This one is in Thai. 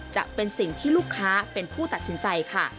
จะเป็นสิ่งที่ลูกค้าเป็นผู้ตัดสินใจค่ะ